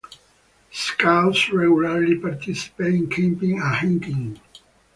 Scouts regularly participate in camping and hiking.